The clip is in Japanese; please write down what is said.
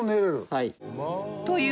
はい。